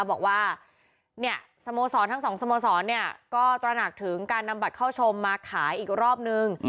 บอกว่าเนี่ยสโมสรทั้งสองสโมสรเนี่ยก็ตระหนักถึงการนำบัตรเข้าชมมาขายอีกรอบนึง